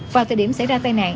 vào thời điểm xảy ra tai nạn